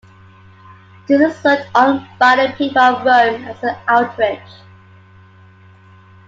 This is looked on by the people of Rome as an outrage.